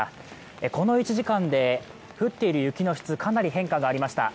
この１時間で降っている雪の質、かなり変化がありました。